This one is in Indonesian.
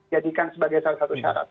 jadikan sebagai salah satu syarat